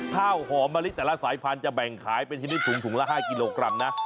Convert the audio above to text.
ข้าวหอมมะลิแต่ละสายพันธุ์จะแบ่งขายเป็นชนิดถุงถุงละ๕กิโลกรัมนะ